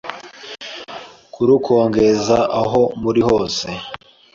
kurukongeza aho muri hose